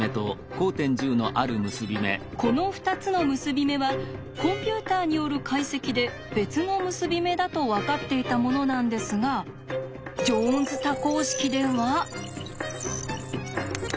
この２つの結び目はコンピューターによる解析で別の結び目だと分かっていたものなんですがジョーンズ多項式では。